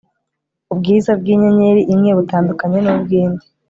ubwiza bw inyenyeri imwe butandukanye n ubw indi